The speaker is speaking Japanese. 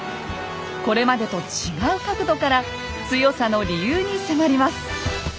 これまでと違う角度から強さの理由に迫ります。